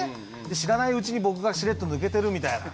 知らないうちに僕がしれっと抜けてるみたいな。